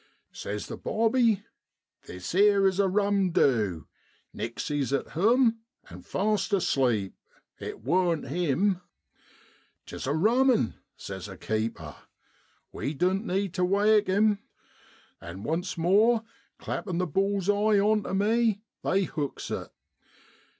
Says the bobby, 'This 'ere is a ram du Nixey's at home an' fast asleep it worn't him !'' 'Tis a rummen !' says a keeper, ' we doan't need tu wake 'im !' an' once more clappin' the bull's eye on tu me, they hooks it.